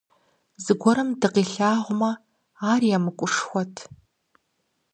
Зыгуэрым дыкъилъагъумэ, ар емыкӀушхуэт.